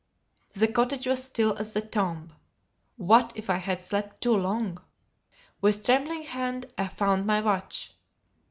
The cottage was still as the tomb. What if I had slept too long! With trembling hand I found my watch.